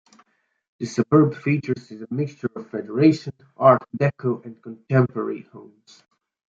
The suburb features a mixture of Federation, Art Deco and contemporary homes.